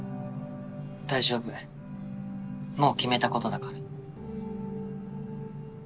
大丈夫もう決めたことだから。